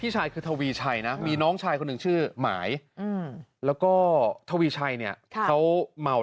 เชื่อจะนำทะเบียนรถโป้มัด